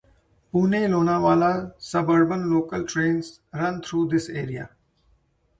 Pune - Lonavla suburban local trains run through this area.